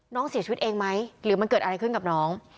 น้องเสียชีวิตเองไหมหรือมันเกิดอะไรขึ้นกับน้อง